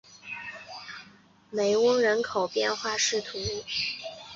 梅翁人口变化图示